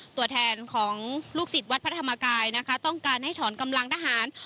ตัวแทนของลูกศิษย์วัดพระธรรมกายนะคะต้องการให้ถอนกำลังทหาร